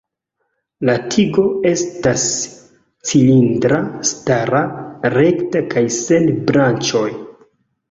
La tigo estas cilindra, stara, rekta kaj sen branĉoj.